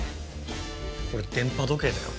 これ電波時計だよ。